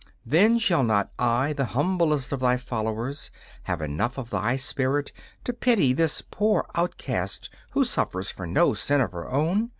Then shall not I, the humblest of thy followers, have enough of thy spirit to pity this poor outcast who suffers for no sin of her own?